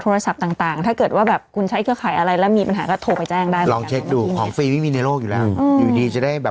เศรษฐกิจแบบนี้ถ้าเขาไปปล่อยกุ้งง่ายก็ไม่ใช่ไหมแม่